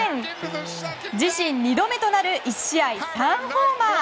自身２度目となる１試合３ホーマー。